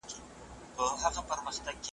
¬ تر يو خروار زرو، يوه ذره عقل ښه دئ.